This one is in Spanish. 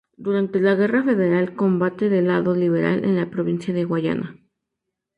Durante la Guerra Federal combate del lado liberal en la provincia de Guayana.